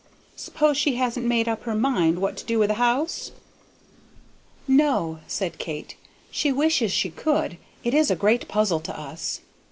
S'pose she hasn't made up her mind what to do with the house?" "No," said Kate; "she wishes she could: it is a great puzzle to us."